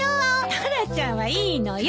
タラちゃんはいいのよ。